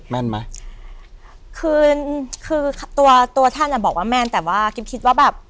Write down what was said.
แม่นไหมคือคือตัวตัวท่านอ่ะบอกว่าแม่นแต่ว่ากิ๊บคิดว่าแบบ